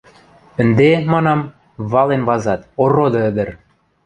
Ӹнде, манам, вален вазат, ороды ӹдӹр!